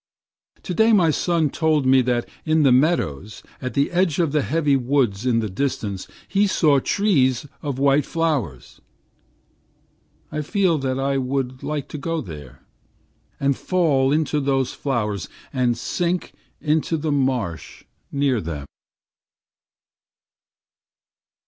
Today my son told me that in the meadows, at the edge of the heavy woods in the distance, he saw trees of white flowers. I feel that I would like to go there and fall into those flowers and sink into the marsh near them.